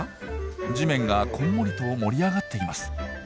地面がこんもりと盛り上がっています。